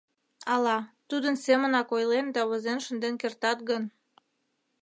— Ала, тудын семынак ойлен да возен шынден кертат гын...